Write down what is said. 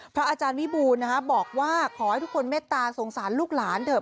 อาจารย์วิบูรณ์บอกว่าขอให้ทุกคนเมตตาสงสารลูกหลานเถอะ